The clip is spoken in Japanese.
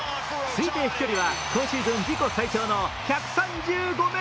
推定飛距離は今シーズン自己最長の１３５ｍ。